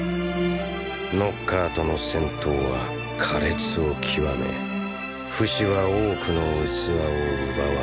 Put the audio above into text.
ノッカーとの戦闘は苛烈を極めフシは多くの器を奪われる。